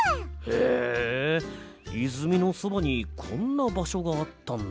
へえいずみのそばにこんなばしょがあったんだ。